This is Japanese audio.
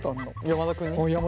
山田君に。